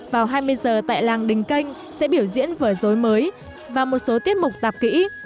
vào hai mươi giờ tại làng đình canh sẽ biểu diễn vở dối mới và một số tiết mục tạp kỹ